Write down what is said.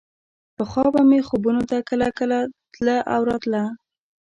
پخوا به مې خوبونو ته کله کله تله او راتله.